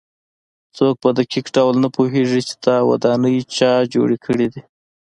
څوک په دقیق ډول نه پوهېږي چې دا ودانۍ چا جوړې کړې.